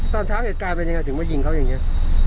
ตอนเช้าเหตุการณ์เป็นยังไงถึงมายิงเขาอย่างนี้